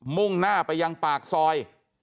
มุ่งหน้าไปยังปากซอย